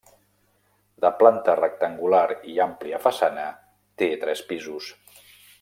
De planta rectangular i àmplia façana, té tres pisos.